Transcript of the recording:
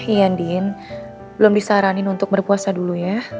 iya indin belum disarankan untuk berpuasa dulu ya